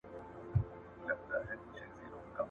که خرو ښکرونه درلوداى، د غويو نسونه بې ور څيرلي واى.